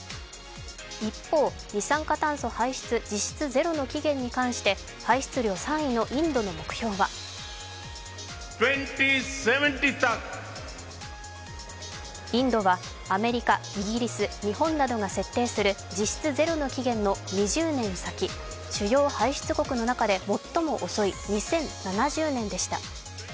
一方、二酸化炭素排出実質ゼロの期限に関して排出量３位のインドの目標はインドはアメリカ、イギリス、日本などが設定する実質ゼロの期限の２０年先、主要排出国の中で最も遅い２０７０年でした。